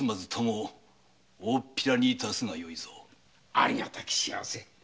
ありがたき幸せ。